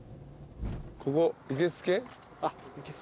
ここ受付？